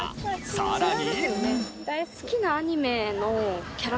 さらに。